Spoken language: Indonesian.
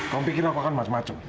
kamu pikir aku akan macem macem